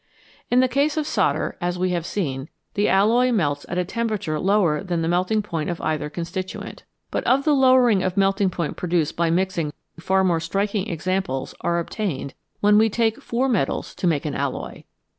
In the case of solder, as we have seen, the alloy melts at a temperature lower than the melting point of either constituent. But of the lowering of melting point pro duced by mixing far more striking examples are obtained when we take four metals to make an alloy.